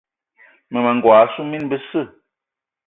Mmema n'gogué assu mine besse.